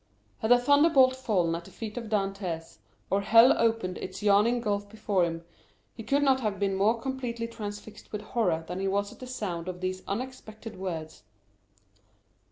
Had a thunderbolt fallen at the feet of Dantès, or hell opened its yawning gulf before him, he could not have been more completely transfixed with horror than he was at the sound of these unexpected words.